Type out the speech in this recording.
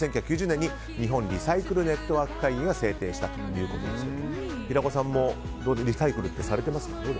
１９９０年に、日本リサイクルネットワーク会議が制定したということですが平子さんもリサイクルってされていますか？